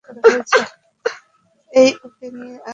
এই, ওকে নিয়ে আয়।